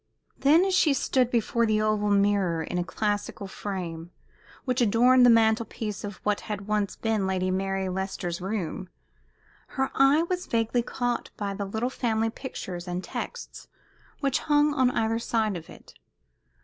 Then as she stood before the oval mirror in a classical frame, which adorned the mantel piece of what had once been Lady Mary Leicester's room, her eye was vaguely caught by the little family pictures and texts which hung on either side of it.